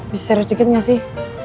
bisa serius dikit gak sih